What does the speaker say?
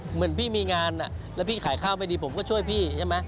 เหมือนพี่มีงานแล้วพี่ขายข้าวไม่ดีผมก็ช่วยพี่ใช่ไหม